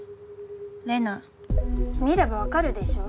玲奈見れば分かるでしょ